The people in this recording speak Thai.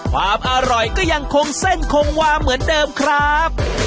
ความอร่อยก็ยังคงเส้นคงวาเหมือนเดิมครับ